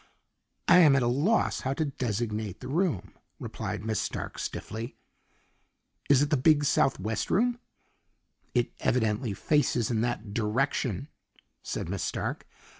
"I am at a loss how to designate the room," replied Miss Stark stiffly. "Is it the big southwest room?" "It evidently faces in that direction," said Miss Stark.